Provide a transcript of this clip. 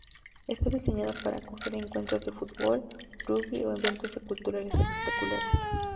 Está diseñado para acoger encuentros de fútbol, rugby o eventos culturales espectaculares.